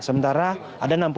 sementara ada enam puluh